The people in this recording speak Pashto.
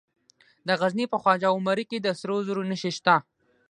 د غزني په خواجه عمري کې د سرو زرو نښې شته.